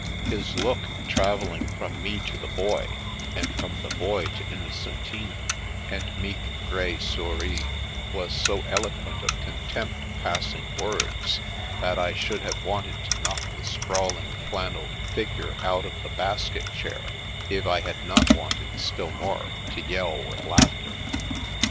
His look, travelling from me to the Boy, and from the Boy to Innocentina and meek grey Souris, was so eloquent of contempt passing words, that I should have wanted to knock the sprawling flannelled figure out of the basket chair, if I had not wanted' still more to yell with laughter.